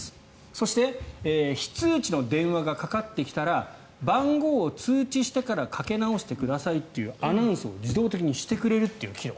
そして非通知の電話がかかってきたら番号を通知してからかけ直してくださいというアナウンスを自動的にしてくれるという機能。